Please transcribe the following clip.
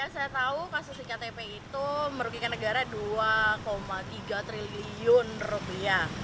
saya tahu kasus iktp itu merugikan negara dua tiga triliun rupiah